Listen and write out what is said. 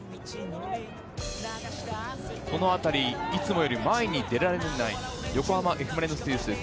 このあたり、いつもより前に出られない、横浜Ｆ・マリノスユース。